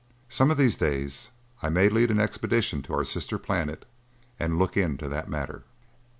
Some of these days I may lead an expedition to our sister planet and look into that matter."